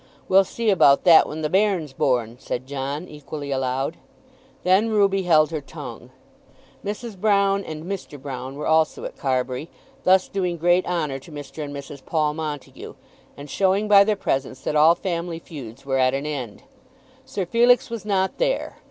"We'll see about that when the bairn's born," said John, equally aloud. Then Ruby held her tongue. Mrs. Broune, and Mr. Broune, were also at Carbury, thus doing great honour to Mr. and Mrs. Paul Montague, and showing by their presence that all family feuds were at an end. Sir Felix was not there.